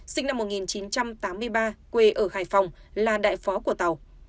sinh năm một nghìn chín trăm tám mươi ba quê ở hải phòng là đại phó của tàu